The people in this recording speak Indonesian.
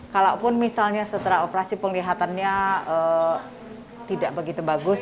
kalaupun misalnya setelah operasi penglihatannya tidak begitu bagus